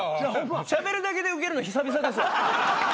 しゃべるだけでウケるの久々ですわ。